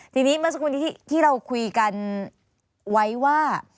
ทีนี้เมื่อสักครู่นี้ที่เราคุยกันไว้ว่า